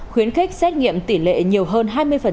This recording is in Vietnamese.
khuyến khích xét nghiệm tỷ lệ nhiều hơn hai mươi